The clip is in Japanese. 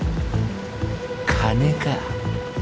金か？